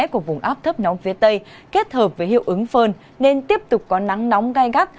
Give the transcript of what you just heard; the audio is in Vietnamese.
của vùng áp thấp nóng phía tây kết hợp với hiệu ứng phơn nên tiếp tục có nắng nóng gai gắt